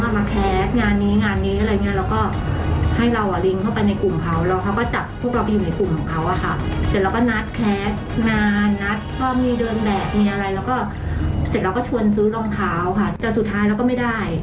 เปิดปากกับภาคภูมิ